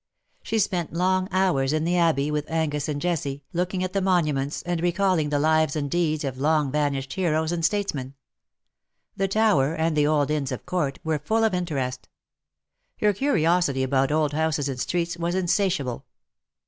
She spent long hours in the Abbey, with Angus and Jessie^ looking at the monuments, and recalling the lives and deeds of long vanished heroes and statesmen. The Tower, and the old Inns of Court, were full of interest. Her curiosity about old houses and streets was insatiable.